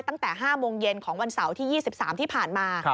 ตั้งแต่๕โมงเย็นของวันเสาร์ที่๒๓ที่ผ่านมา